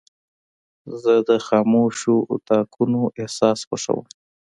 زه د خاموشو اتاقونو احساس خوښوم.